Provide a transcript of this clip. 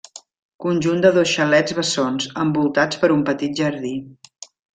Conjunt de dos xalets bessons, envoltats per un petit jardí.